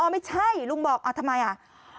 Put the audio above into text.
ไม่ใช่ลุงบอกทำไมอ่ะ